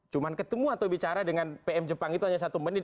cuma ketemu atau bicara dengan pm jepang itu hanya satu menit